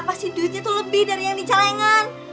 pasti duitnya tuh lebih dari yang di celengan